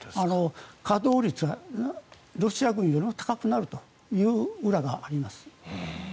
稼働率はロシア軍よりも高くなるという裏があります。